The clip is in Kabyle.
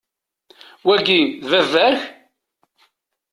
Wagi, d baba-k?